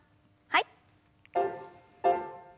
はい。